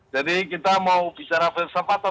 jadi kita mau bicara versapat atau apa